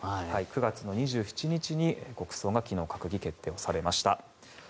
９月２７日に国葬が昨日、閣議決定されました。